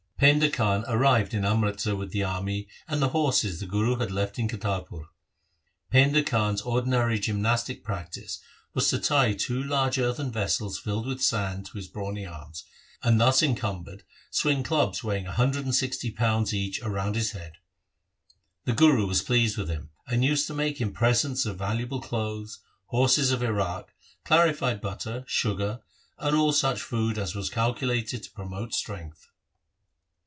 Painda Khan arrived in Amritsar with the army and the horses the Guru had left in Kartarpur. Painda Khan's ordinary gymnastic practice was to tie two large earthen vessels filled with sand to his brawny arms, and thus encumbered swing clubs weighing one hundred and sixty pounds each round his head. The Guru was pleased with him, and used to make him presents of valuable clothes, horses of Iraq, clarified butter, sugar, and all such food as was calculated to promote strength.